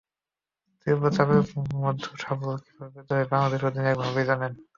তীব্র চাপের মধ্যেও সাফল্য কীভাবে পেতে হয়, বাংলাদেশ অধিনায়ক ভালোই জানেন।